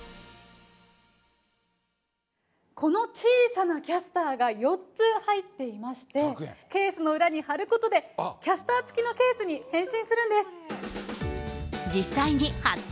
この小さなキャスターが４つ入っていまして、ケースの裏に貼ることで、キャスター付きのケースに変身するんです。